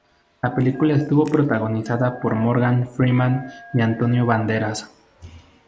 La película estuvo protagonizada por Morgan Freeman y Antonio Banderas.